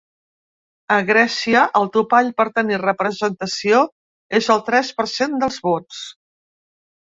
A Grècia, el topall per tenir representació és el tres per cent dels vots.